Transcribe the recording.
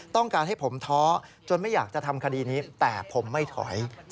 ต้องการให้ผมท้อจนไม่อยากจะทำคดีนี้แต่ผมไม่ถอย